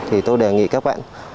thì tôi đề nghị các bạn